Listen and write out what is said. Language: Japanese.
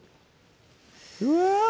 うわ！